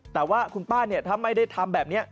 แต่ว่าคุณป้าเนี่ยถ้าไม่ได้ทำแบบนี้